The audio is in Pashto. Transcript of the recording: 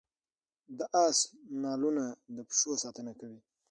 د اس نالونه د پښو ساتنه کوي